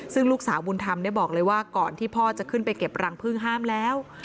ซึ่งลูกสาวบุญธรรมบอกเลยว่าก่อนที่พ่อจะขึ้นไปเก็บรังพึ่งห้ามแล้ว